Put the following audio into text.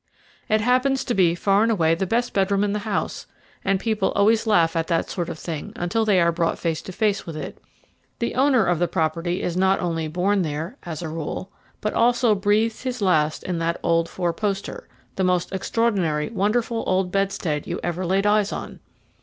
"It happens to be far and away the best bedroom in the house, and people always laugh at that sort of thing until they are brought face to face with it. The owner of the property is not only born there, as a rule, but also breathes his last in the old four poster, the most extraordinary, wonderful old bedstead you ever laid eyes on.